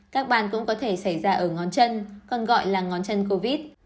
các ban cũng có thể xảy ra ở ngón chân còn gọi là ngón chân covid